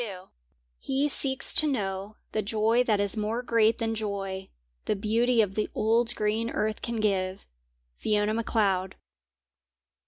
XXII He seeks to know The joy that is more great than joy The beauty of the old green earth can give. FIONA MACLEOD.